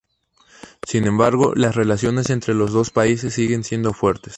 Sin embargo, las relaciones entre los dos países siguen siendo fuertes.